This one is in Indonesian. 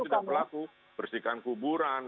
tidak berlaku bersihkan kuburan